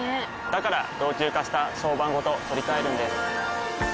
から老朽化した床版ごと取り替えるんです。